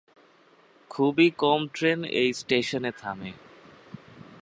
খুবই কম ট্রেন এই স্টেশনে থামে।